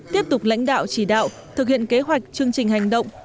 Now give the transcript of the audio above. tiếp tục lãnh đạo chỉ đạo thực hiện kế hoạch chương trình hành động